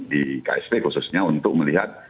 di ksp khususnya untuk melihat